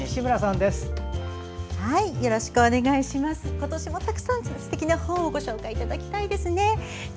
今年もたくさんすてきな本をご紹介いただきたいですね。